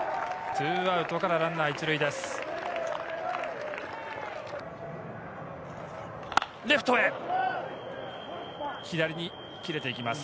２アウトからランナー１塁です。